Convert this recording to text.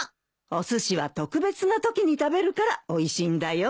おすしは特別なときに食べるからおいしいんだよ。